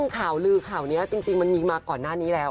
ข่าวลือข่าวนี้จริงมันมีมาก่อนหน้านี้แล้ว